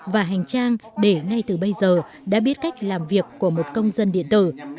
và hành trang để ngay từ bây giờ đã biết cách làm việc của một công dân điện tử